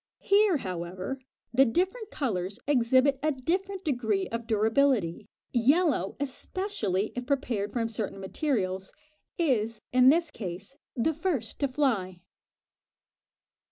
Here, however, the different colours exhibit a different degree of durability; yellow, especially if prepared from certain materials, is, in this case, the first to fly.